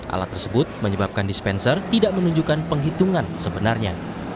alat tersebut menyebabkan dispenser tidak menunjukkan penghitungan sebenarnya